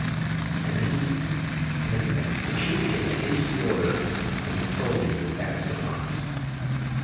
o J And indeed in a minute the chief gave a hasty order, and the soldiers advanced upon us.